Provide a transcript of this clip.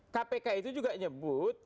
kpk itu juga nyebut